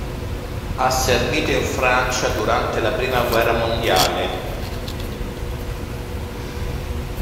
Ha servito in Francia durante la prima guerra mondiale.